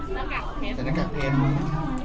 อยากมาเห็นเอาหน้ากากเฟช